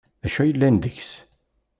D acu ay yellan deg-s?